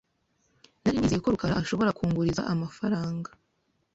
Nari nizeye ko rukaraashobora kunguriza amafaranga.